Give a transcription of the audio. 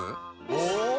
お！